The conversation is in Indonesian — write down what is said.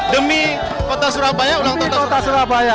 demi kota surabaya ulang tahun kota surabaya